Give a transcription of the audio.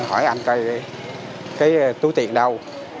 hỏi anh coi cái túi tiền đâu